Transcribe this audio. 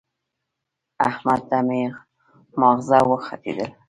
احمد ته مې ماغزه وخوټېدل.